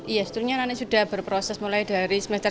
iya setelahnya anak anak sudah berproses mulai dari semester satu